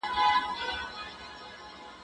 زه به درسونه لوستي وي؟!